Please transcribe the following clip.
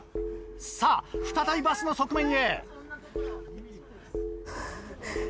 さぁ再びバスの側面へ。